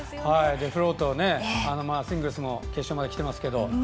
デフロート、シングルスも決勝まできてますけど。